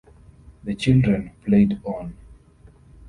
The children played on.